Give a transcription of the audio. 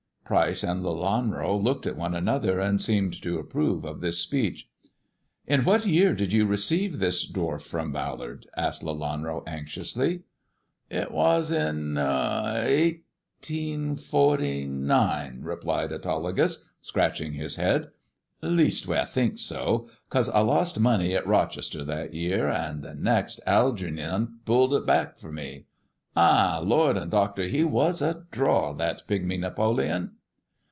Pryce and Lelanro looked at one another and seemed to approve of this speech. " In what year did you receive this dwarf from Ballard?" asked Lelanro anxiously. "It was in 1849," replied Autolycus, scratching his head; "leastways, I think so, 'cause I lost money at Rochester that year, and the next Algeernon pulled it back For me. Ay, lord and doctor, he was a draw, that Pigmy Napoleon."